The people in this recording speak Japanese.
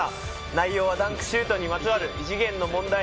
内容はダンクシュートにまつわる異次元の問題。